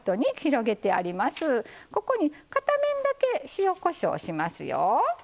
ここに片面だけ塩・こしょうしますよ。